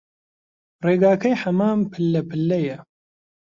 ڕێگاکەی حەمام پللە پللەیە